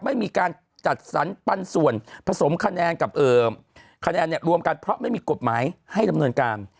ไม่มีการจัดสรรปันส่วนผสมคะแนนกับคะแนนเนี่ยรวมกันเพราะไม่มีกฎหมายให้ดำเนินการ